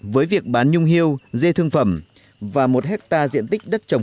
với việc bán nhung hiêu dê thương phẩm và một hectare diện tích đất trồng